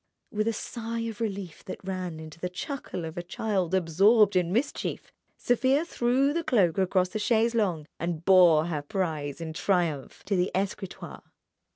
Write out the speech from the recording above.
With a sigh of relief that ran into the chuckle of a child absorbed in mischief, Sofia threw the cloak across a chaise longue, and bore her prize in triumph to the escritoire.